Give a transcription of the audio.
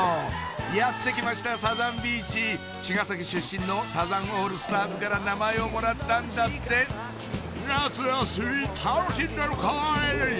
やって来ましたサザンビーチ茅ヶ崎出身のサザンオールスターズから名前をもらったんだって夏休み楽しんでるかい？